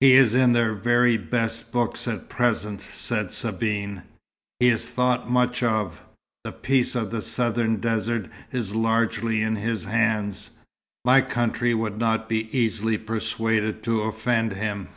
"He is in their very best books at present," said Sabine. "He is thought much of. The peace of the southern desert is largely in his hands. My country would not be easily persuaded to offend him.